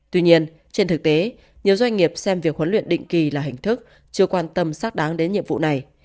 tuy nhiên trên thực tế nhiều doanh nghiệp xem việc huấn luyện định kỳ là hình thức chưa quan tâm xác đáng đến nhiệm vụ này